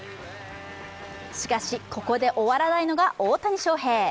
しかし、ここで終わらないのが大谷翔平。